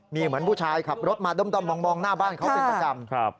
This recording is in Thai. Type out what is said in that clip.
มีเหมือนผู้ชายขับรถมาด้อมมองหน้าบ้านเขาเป็นประจำ